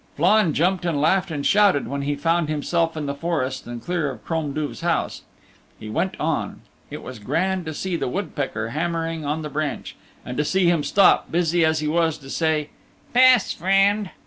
Flann jumped and laughed and shouted when he found himself in the forest and clear of Crom Duv's house. He went on. It was grand to see the woodpecker hammering on the branch, and to see him stop, busy as he was to say "Pass, friend."